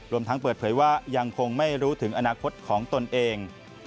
รวมทั้งเปิดเผยว่ายังคงไม่รู้ถึงอนาคตของตนเอง